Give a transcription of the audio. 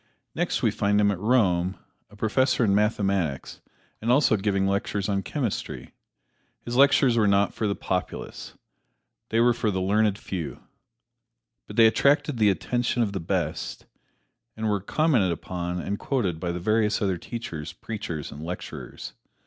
Next we find him at Rome, a professor in mathematics and also giving lectures on chemistry. His lectures were not for the populace they were for the learned few. But they attracted the attention of the best, and were commented upon and quoted by the various other teachers, preachers and lecturers.